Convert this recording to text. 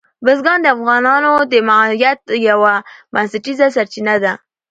بزګان د افغانانو د معیشت یوه بنسټیزه سرچینه ده.